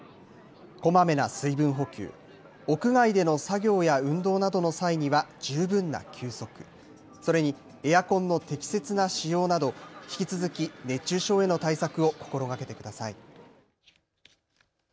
こまめな水分補給、屋外での作業や運動などの際には十分な休息、それにエアコンの適切な使用など引き続き熱中症への対策を心がけてください。